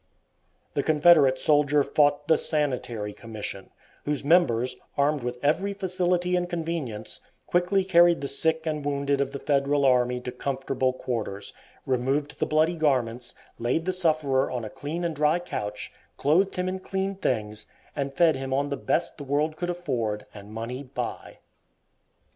The Confederate soldier fought the "Sanitary Commission," whose members, armed with every facility and convenience, quickly carried the sick and wounded of the Federal army to comfortable quarters, removed the bloody garments, laid the sufferer on a clean and dry couch, clothed him in clean things, and fed him on the best the world could afford and money buy.